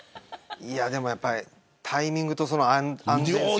でも、やっぱりタイミングと安全性。